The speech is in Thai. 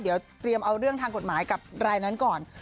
เดี๋ยวเตรียมเอาเรื่องทางกฎหมายกับรายนั้นก่อน